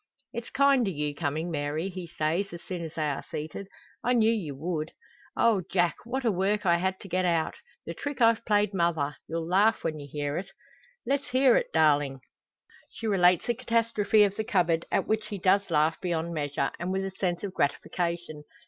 "It's kind o' you comin', Mary," he says, as soon as they are seated. "I knew ye would." "O Jack! What a work I had to get out the trick I've played mother! You'll laugh when you hear it." "Let's hear it, darling!" She relates the catastrophe of the cupboard, at which he does laugh beyond measure, and with a sense of gratification.